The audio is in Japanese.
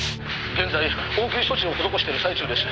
「現在応急処置をほどこしている最中です」